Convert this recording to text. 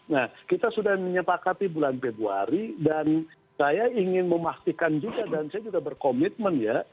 nah kita sudah menyepakati bulan februari dan saya ingin memastikan juga dan saya juga berkomitmen ya